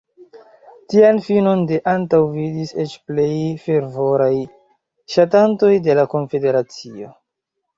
Tian finon ne antaŭvidis eĉ plej fervoraj ŝatantoj de la konfederacio.